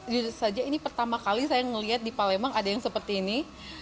jujur saja ini pertama kali saya melihat di palembang ada yang seperti ini